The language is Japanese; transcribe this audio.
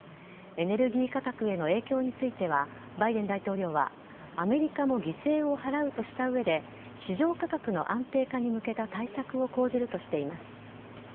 エネルギー価格の影響についてはバイデン大統領は、アメリカも犠牲を払うとしたうえで、市場価格の安定化に向けた対策を講じるとしています。